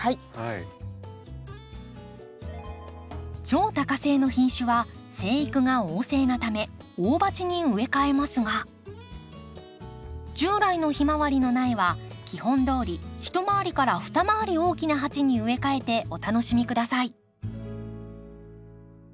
超多花性の品種は生育が旺盛なため大鉢に植え替えますが従来のヒマワリの苗は基本どおり一回りから二回り大きな鉢に植え替えてお楽しみ下さい。